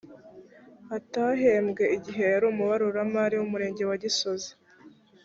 atahembwe igihe yari umubaruramari w’umurenge wa gisozi